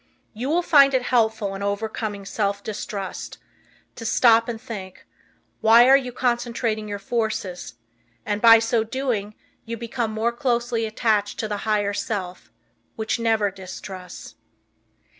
You will find it helpful in overcoming self distrust, to stop and think, why you are, concentrating your forces, and by so doing you become more closely attached to the higher self, which never distrusts.